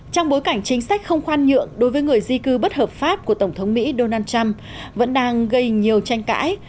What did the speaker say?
trong bối cảnh chính sách không khoan nhượng đối với người di cư bất hợp pháp của tổng thống mỹ donald trump vẫn đang gây nhiều tranh cãi